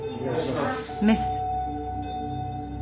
メス。